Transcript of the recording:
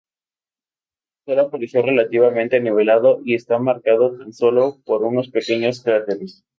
El suelo aparece relativamente nivelado y está marcado tan solo por unos pequeños cráteres.